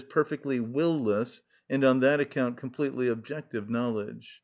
_, perfectly will‐less, and on that account completely objective knowledge.